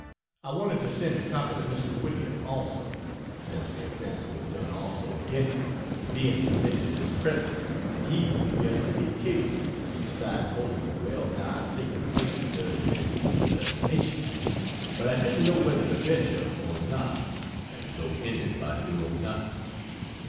I wanted to send a copy to Mr. Whittier also, since the offense was done also against him, being committed in his presence and he the guest of the occasion, besides holding the well nigh sacred place he does in his people's estimation; but I didn't know whether to venture or not, and so ended by doing nothing.